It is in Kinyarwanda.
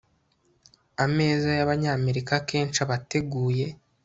Ameza yAbanyamerika akenshi aba ateguye